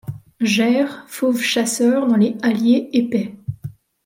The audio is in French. J'erre, fauve chasseur, dans les halliers épais ;